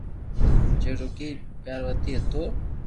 جو روگي ڀآيارتي ھتو